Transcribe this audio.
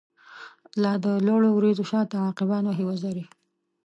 لا د لوړو وریځو شا ته، عقابان وهی وزری